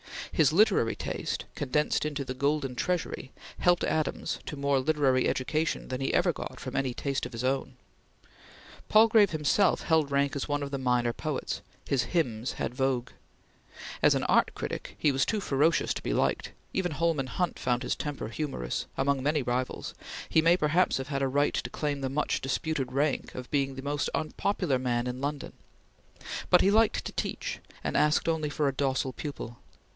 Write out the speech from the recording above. His literary taste, condensed into the "Golden Treasury," helped Adams to more literary education than he ever got from any taste of his own. Palgrave himself held rank as one of the minor poets; his hymns had vogue. As an art critic he was too ferocious to be liked; even Holman Hunt found his temper humorous; among many rivals, he may perhaps have had a right to claim the much disputed rank of being the most unpopular man in London; but he liked to teach, and asked only for a docile pupil.